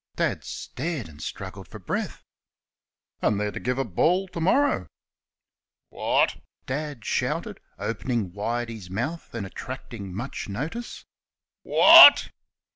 Dad stared and struggled for breath. "An' they're to guve a ball to morrer." "Whaht?" Dad shouted, opening wide his mouth and attracting much notice "Whaht?"